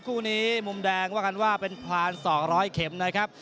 คู่นี้มุมแดงว่ากันว่าเป็นพลาน๒๐๐เข็มนะครับ